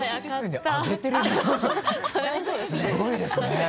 すごいですね。